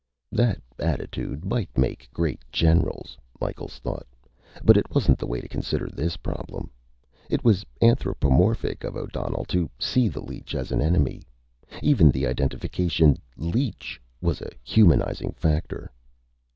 That attitude might make great generals, Micheals thought, but it wasn't the way to consider this problem. It was anthropomorphic of O'Donnell to see the leech as an enemy. Even the identification, "leech," was a humanizing factor.